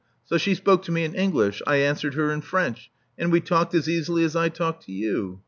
So she spoke to me in English ; I answered her in French ; and we talked as easily as I talk to you."